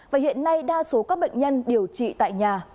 và hiện nay đa số các bệnh nhân điều trị tại nhà